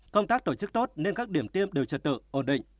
công tác tổ chức tốt nên các điểm tiêm đều trật tự ổn định